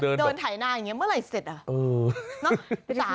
เดินถ่ายหน้าอย่างนี้เมื่อไหร่เสร็จอ่ะ